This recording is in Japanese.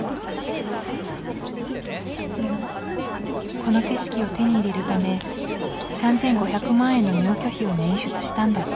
この景色を手に入れるため３，５００万円の入居費を捻出したんだって。